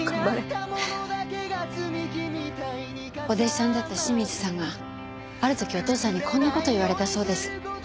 お弟子さんだった清水さんがある時お父さんにこんな事を言われたそうです。